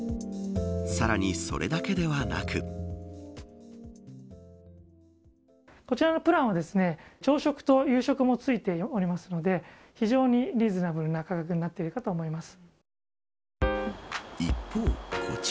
さらに、それだけではなくこちらのプランは朝食と夕食も付いておりますので非常にリーズナブルになっていると思います。